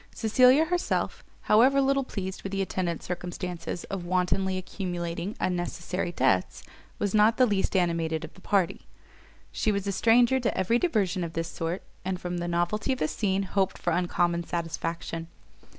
Cecilia herself, however little pleased with the attendant circumstance of wantonly accumulating unnecessary debts, was not the least animated of the party: she was a stranger to every diversion of this sort, and from the novelty of the scene, hoped for uncommon satisfaction.